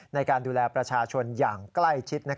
ในการดูแลประชาชนอย่างใกล้ชิด